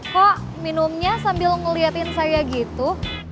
kok minumnya sambil ngeliatin saya gitu